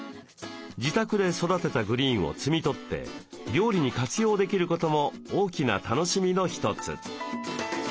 自宅で育てたグリーンを摘み取って料理に活用できることも大きな楽しみの一つ。